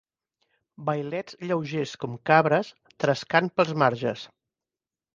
Vailets lleugers com cabres, trescant pels marges